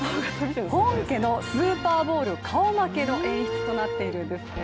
本家のスーパーボウル顔負けの演出となっているんです。